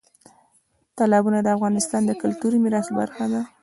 تالابونه د افغانستان د کلتوري میراث برخه ده.